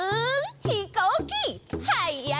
ひこうきはやいぞ！